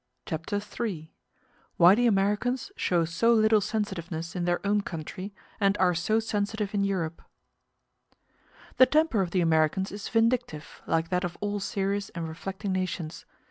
Chapter III: Why The Americans Show So Little Sensitiveness In Their Own Country, And Are So Sensitive In Europe The temper of the Americans is vindictive, like that of all serious and reflecting nations.